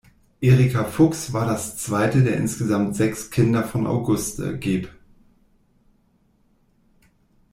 Erika Fuchs war das zweite der insgesamt sechs Kinder von Auguste geb.